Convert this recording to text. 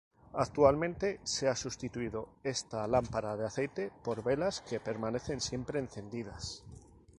Actualmente se ha sustituido esta lámpara de aceite por velas que permanecen siempre encendidas.